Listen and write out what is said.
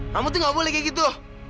kamu tuh gak boleh kayak gitu